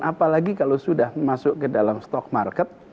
apalagi kalau sudah masuk ke dalam stock market